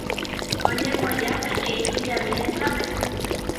Oñemboja peteĩ tujami rendápe.